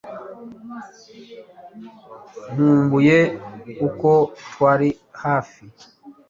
nkumbuye uko twari hafi